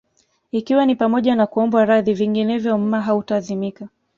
Ikiwa ni pamoja na kuombwa radhi vinginevyo mma hautazimika